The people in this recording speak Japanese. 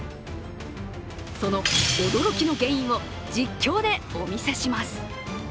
その驚きの原因を実況でお見せします。